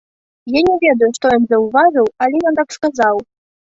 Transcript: Я не ведаю, што ён заўважыў, але ён так сказаў.